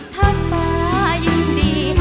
ถ้าฟ้ายังดี